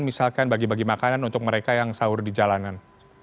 misalkan bagi bagi makanan untuk mereka yang sahur di jalanan